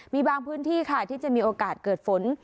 มีบางพื้นที่ค่ะที่จะมีโอกาสเกิดฝน